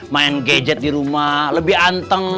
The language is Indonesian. main gadget di rumah lebih anteng